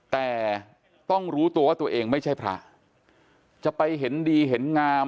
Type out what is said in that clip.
แต่ต้องรู้ตัวว่าตัวเองไม่ใช่พระจะไปเห็นดีเห็นงาม